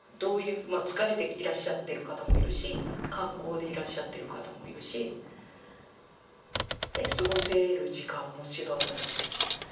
疲れていらっしゃってる方もいるし観光でいらっしゃってる方もいるし過ごせる時間も違うだろうし。